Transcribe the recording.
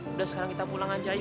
udah sekarang kita pulang aja ayo